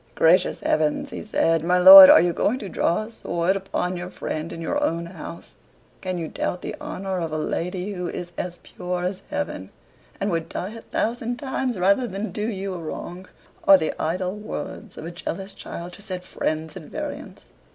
"Gracious heavens!" he said, "my lord, are you going to draw a sword upon your friend in your own house? Can you doubt the honor of a lady who is as pure as heaven, and would die a thousand times rather than do you a wrong? Are the idle words of a jealous child to set friends at variance?